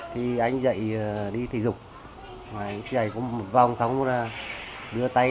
thì anh dậy đi thể dục dậy có một vòng xong đưa tay